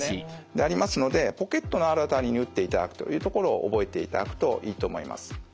でありますのでポケットのある辺りに打っていただくというところを覚えていただくといいと思います。